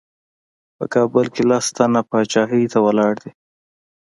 په کابل کې لس تنه پاچاهۍ ته ولاړ دي.